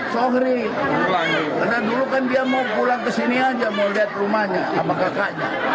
sohri karena dulu kan dia mau pulang ke sini aja mau lihat rumahnya sama kakaknya